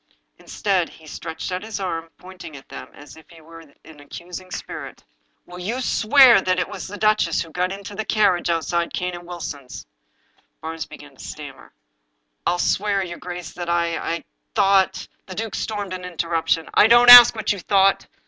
Instead, he stretched out his arm, pointing at them as if he were an accusing spirit: " Will you swear that it was the duchess who got into the carriage outside Cane and Wilson's?" Barnes began to stammer: " ril swear, your grace, that I — I thought ^* The duke stormed an interruption: " I don't ask what you thought.